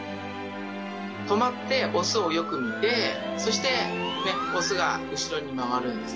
止まって雄をよく見てそして雄が後ろに回るんですね。